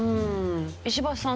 石橋さん